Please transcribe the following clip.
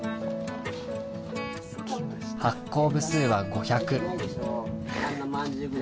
発行部数は５００。